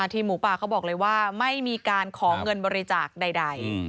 หมูป่าเขาบอกเลยว่าไม่มีการขอเงินบริจาคใด